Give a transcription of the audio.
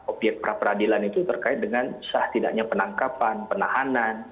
objek pra peradilan itu terkait dengan setidaknya penangkapan penahanan